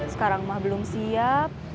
sekarang mah belum siap